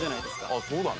あっそうだね。